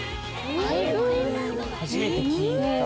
初めて聞いた。